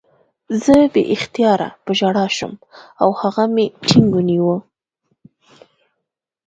زه بې اختیاره په ژړا شوم او هغه مې ټینګ ونیو